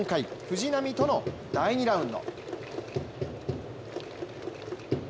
藤浪との第２ラウンド。